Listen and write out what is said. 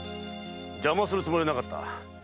邪魔をするつもりはなかった。